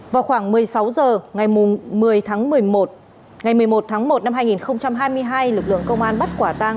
vào khoảng một mươi sáu h ngày một mươi một tháng một năm hai nghìn hai mươi hai lực lượng công an bắt quả tang